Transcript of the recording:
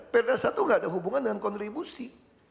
perda satu nggak ada hubungan dengan kontribusi